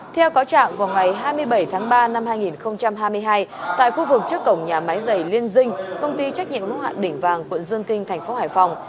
theo có trạng vào ngày hai mươi bảy tháng ba năm hai nghìn hai mươi hai tại khu vực trước cổng nhà máy giày liên dinh công ty trách nhiệm lúc hạn đỉnh vàng quận dương kinh tp hải phòng